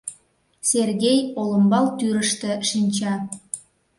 Сергей олымбал тӱрыштӧ шинча.